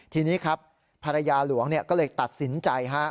ทีนี้ครับภรรยาหลวงก็เลยตัดสินใจ